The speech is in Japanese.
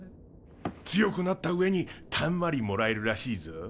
強くなったうえにたんまりもらえるらしいぞ。